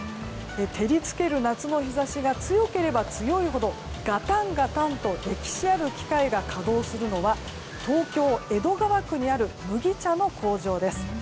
照り付ける夏の日差しが強ければ強いほどガタンガタンと歴史ある機械が稼働するのは東京・江戸川区にある麦茶の工場です。